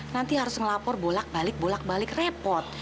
nanti harus melapor bolak balik bolak balik repot